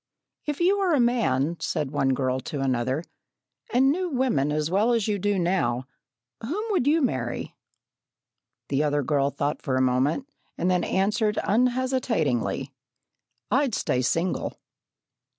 "If you were a man," said one girl to another, "and knew women as well as you do now, whom would you marry?" The other girl thought for a moment, and then answered unhesitatingly: "I'd stay single."